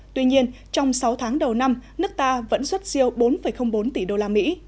tuy nhiên trong sáu tháng đầu năm nước ta vẫn xuất siêu bốn bốn tỷ đô la mỹ